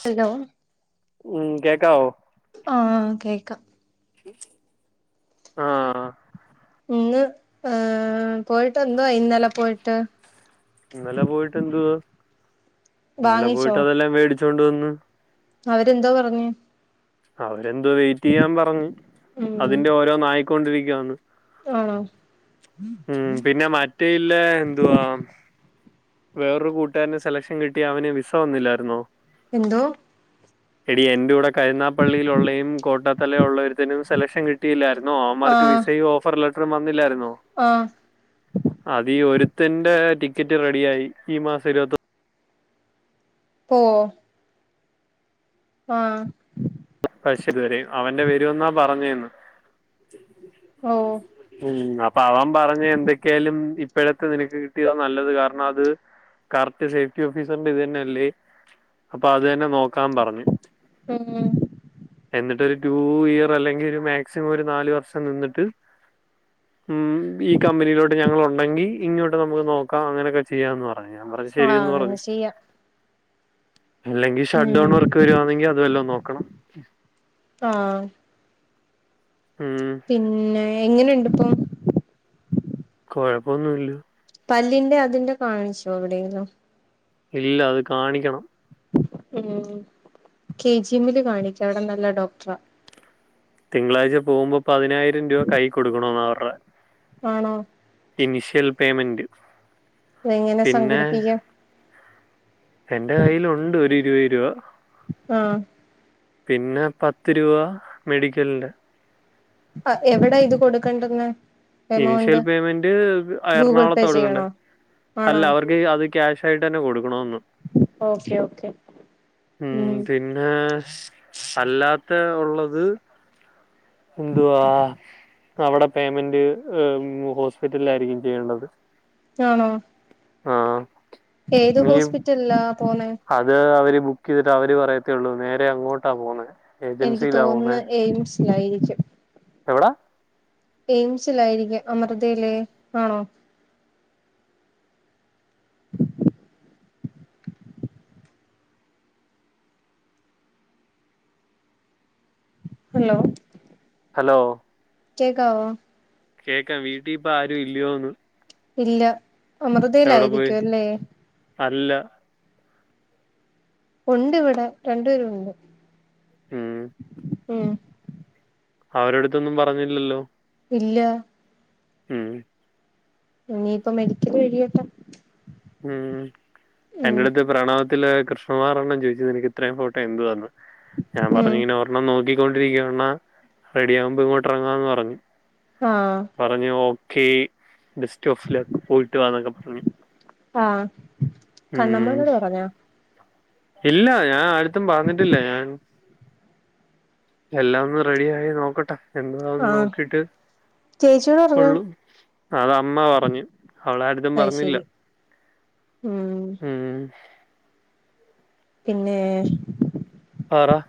Hello ഉം കേക്കാവോ ആ കേക്കാം ആഹ്ആ ഇന്ന് ഏഹ് പോയിട്ടെന്തൊആയി ഇന്നലെ പോയിട്ട് ഇന്നലെ പോയിട്ട് എന്തുവാ ഇന്നലെ വാങ്ങിച്ചോ പോയിട്ട് അതെല്ലാം മേടിച്ച് ച്ചോണ്ട് വന്ന് അവരെന്തോ പറഞ്ഞ് അവര് എന്തുവാ വെയിറ്റ് ചെയ്യാൻ പറഞ്ഞ് അതിന്റെ ഓരോന്നായി കൊണ്ടിരിക്കുവാന്ന് ആഹ്ആ ഉംഹ് പിന്നെ മറ്റെ ഇല്ലേ എന്തുവാ വേറൊര് കൂട്ടുകാരന് സെലക്ഷൻ കിട്ടി അവന് വിസ വന്നില്ലാരുന്നോ എന്തോ എടി എന്റെഉഊടെ കരുനാപ്പള്ളിലൊള്ളെയും കോട്ടത്തല ഒള്ളെ ഒരുത്തനും സെലക്ഷൻ കിട്ടിയില്ലാരുന്നൊ ന്നൊ അവമാർക്ക് ആഹ് വിസയും ഓഫർലെ വന്നില്ലായിരുന്ന് ന്നോ ആഹ് അതീ ഒര്ത് ത്തിന്റെ ടിക്കറ്റ് റെടി ടിയായി ഈ മാസം ഇരുപത്തൊന്ന് ഓഹ് ആഹ്ആ കഴിച്ചിതുവരെം അവന്റെ വെരുവെന്നാ പറഞ്ഞേന്ന് ഓഹ് ഉംഹ് അപ്പവൻ പറഞ് എന്തൊക്കെയാലും ഇപ്പഴത്തെ നിനക്ക് കിട്ടിയത് നല്ലത് കാം പറഞ്ഞ് ഉം എന്നിട്ട് ഒര് ടു ഇയർ അല്ലെങ്കി ഒരു മാക്സിമം ഒരു നാലു വർഷം നിന്നിട്ട് മ് ഈ കമ്പനിയിലോട്ട് ഞങ്ങളുണ്ടെങ്കി ഇങ്ങോട്ട് നമുക്ക് നോക്കാം അങ്ങനെയൊക്കെ ചെയ്യാംന്ന് പറഞ്ഞ അത് ഞാൻ പറഞ് ആഹ് ശെരിയന്ന് പറഞ്ഞ് അങ്ങനെ ചെയ്യാം അല്ലെകി ഉം ഷട്ഡൗൺ വർക്ക് വരുവാന്നെങ്കി അത് വലൊം നോക്ക ക്കണം ഹ് ആഹ്ആ ഉം പിന്നെ എങ്ങന്ണ്ട് ത്തും കൊഴപ്പൊന്നുല്ല പല്ലിന്റെ അതിന്റെ കാണിച്ചോ എവിടെലും ഇല്ല അത് കാണിക്കണം ഉംഹ് കെ ജി എമ്മില് കാണിക്ക് അവിടെ നല്ലെ ഡോക്ടറാ തിങ്കളാഴ്ച പോവുമ്പോ പതിനായിരം രൂവ കൈ കൊടുക്കാണോന്ന് അവറെ ആണോ? ഇനിഷ്യൽ പേയ്മെൻറ് അതങ്ങനെ സംഘടിപ്പിക്കാം എന്റെ കയ്യിലുണ്ട് ഒരു ഇരുവത് രൂപ ആഹ പിന്നെ പത്ത് രൂപ മെഡിക്കക്ൽന്റെ, അ എവിടാ ഇത് കൊടുക്കണ്ടുന്നെ ഇനിഷ്യൽ പേയ്മെന്റ് ഗൂഗിൾ പേ എറണാകുളത്ത് കൊടുക്കണ്ടേ, ചെയ്യണോ അല്ല ആണോ അവർക്ക് അത് ക്യാഷ ആയിട്ട് തന്നെ കൊടുക്കാണോന്ന്. ഓക്കെ ഓക്കെ ഉം പിന്നെ, അല്ലാത്ത ഉള്ളത് എന്തുവാ അവിടെ പേയ്മെന്റ് ഹോസ്പിറ്റലിലായിരിക്കും ചെയ്യേണ്ടത്. ആണോ? ആഹ ഏത് ഹോസ്പിറ്റല്ല? അത് അവര് ബുക്ക് ചെയ്തിട്ട് അവര് പറയ റ്റൊള്ളൂ നേരെ അങ്ങോട്ടാ പോകുന്നേ എനിക്ക് തോന്നുന്ന എയിംസിലായിരിക്കും എവിടാ എയിംസിലായിരിക്ക അമൃതയിലെ, ആണോ? ഹലോ! ഹലോ! കേക്കാവോ? കേക്കാം, വീട്ടിൽ ഇപ്പ ആരും ഇല്ലയോന്ന്? ഇല്ല. എവിടെ പോയി അമൃതയിലായിരിക്കും അല്ലേ? അല്ല. ഉണ്ട് ഇവിടെ രണ്ടുപേരും ഉണ്ട്. മമ്. ഉം. അവരടുത്തൊന്നും പറഞ്ഞില്ലല്ലോ. ഇല്ല. ഉം. ഇനിയിപ്പൊ മെഡിക്കല് കഴിയട്ടെ. ഉം. ഉം എൻ്റെടുത്ത് പ്രണവ ത്തില് കൃഷ്ണകുമാർ അണ്ണൻ ചോദിച്ചത് എനിക്ക് ഇത്രയും ഫോട്ടോ എന്തുവാന്ന്? ഞാൻ പറഞ്ഞു ഉം ഇങ്ങനെ ഒരെണ്ണം നോക്കി കണ്ടോടിരിക്ക അണ്ണാ റെഡി ആകുമ്പോ ഇങ്ങോട്ടിറങ്ങാന്ന് പറഞ്ഞു. ആഹ് പറഞ്ഞു ഓക്കെ ബെസ്റ്റ് ഓഫ് ലക്ക് പോയിട്ട് വാന്നൊക്കെ പറ ആഹ് കണ്ണമ്മോനോട് പറഞ്ഞാ? ഇല്ല ഞാൻ ആരെടുത്തും പറഞ്ഞിട്ടില്ല ഞാൻ എല്ലാം ഒന്ന് റെഡി ആയി നോക്കട്ടെ. എന്താവൂന്ന് ആഹ് നോക്കീട്ട് ചേച്ചിയോട് പറഞ്ഞോ ഉള്ളു അത് അമ്മ പറഞ്ഞു അവള് ആരെടുത്തും അത് പറഞ്ഞില്ല ശരി ഉം ഉം. പിന്നെ പറ.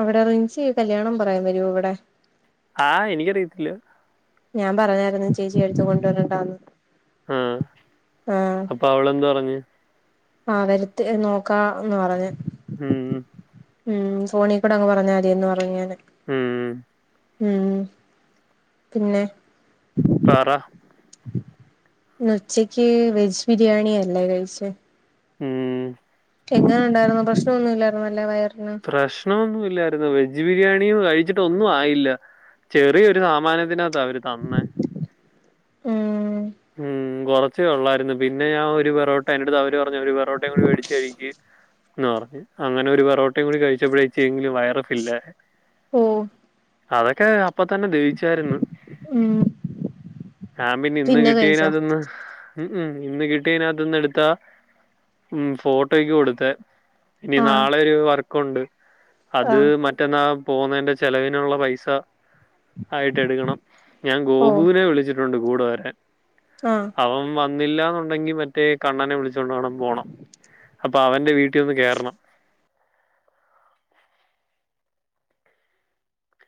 അവിടെ റിൻസി കല്യാണം പറയാൻ വരുവോ ഇവിടെ? ആഹ് എനിക്കറിയത്തില്ല. ഞാൻ പറഞ്ഞായിരുന്നു ചേച്ചിടടുത്ത് കൊണ്ടുവരണ്ടാന്ന്. ആഹ് ആഹ് അപ്പൊ അവളെന്ത് പറഞ്ഞ്? ആഹ് വരത്തില് നോക്കാന്ന് പറഞ്ഞ്. ഉം. ഉം ഫോണി കൂടെ അങ്ങ് പറഞ്ഞാതി പറഞ്ഞു ഞാന്. ഉം. ഉം പിന്നെ പറ. ഇന്നുച്ചയ്ക്ക് വെജ് ബിരിയാണിയല്ലേ കഴിച്ചേ? ഉം. എങ്ങനെ ഉണ്ടായിരുന്നു പ്രശ്നം ഒന്നുമില്ലായിരുന്നല്ലോ വയറി പ്രശ്നമൊന്നുമില്ലായിരുന്നു വെജ് ബിരിയാണി കഴിച്ചിട്ട് ഒന്നും ആയില്ല ചെറിയൊരു സാമാനത്തിന അവര് തന്നേ. ഉം. ഉം കൊറ ച്ചേ ഉള്ളായിരുന്നു പിന്നെ ഞാൻ ഒരു പെറോട്ട എന്റടുത്തവര് പറ [unintelligible] ഒരു പെറോട്ടയും കൂടി മേടിച്ച് കഴിക്ക് ന്ന് പറഞ്ഞ് അങ്ങനെ ഒരു പൊറോട്ടയും കൂടി കഴിച്ചപ്പോഴ ഇച്ചിരിയെങ്കിലും വയറ് ഫിൽ ആയേ. ഓഹ് അതൊക്കെ അത് അപ്പൊ തന്നെ ദഹിച്ചായിരുന്നു ഉം ഞാൻ പിന്നെ ഇന്ന് കിട് [unintelligible] ഉം ഉം ഇന്ന് കിട്ടിയതിനകത്ത് നിന്നെടുത്താ ഉം ഫോട്ടോയ്ക്ക് കൊടുത്തേ ഇനി ആഹ് നാളെ ഒരു വർ കൊണ്ട് അത് ആഹ് മറ്റെന്നാ പോവുന്നെന്റെ ചെലവിനുള്ള പൈസ ആയിട്ട് എടുക്കണം ഞാൻ ഓ ഗോപുവിനെ വിളിച്ചിട്ടുണ്ട് കൂടെവരാൻ ആഹ് അവൻ മാത് വന്നില്ലാന്നുണ്ടെങ്കിൽ മറ്റേ കണ്ണനെ വിളിച് [unintelligible] ണം പോണം അപ്പൊ അവന്റെ വീട്ടി ഹൊന്ന് കേറണം